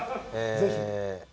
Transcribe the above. ぜひ。